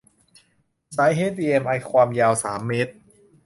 สายเฮชดีเอ็มไอความยาวสามเมตร